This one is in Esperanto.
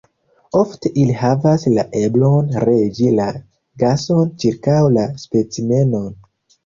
Ofte ili havas la eblon regi la gason ĉirkaŭ la specimenon.